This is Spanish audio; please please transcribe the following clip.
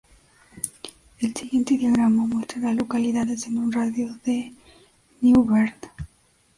El siguiente diagrama muestra a las localidades en un radio de de New Bern.